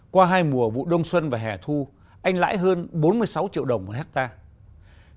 qua hai mùa vụ đông xuân và hẻ thu anh lãi hơn bốn mươi sáu triệu đồng một hectare